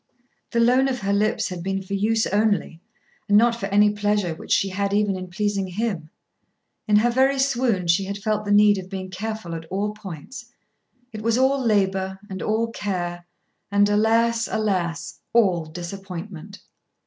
The loan of her lips had been for use only, and not for any pleasure which she had even in pleasing him. In her very swoon she had felt the need of being careful at all points. It was all labour, and all care, and, alas, alas, all disappointment!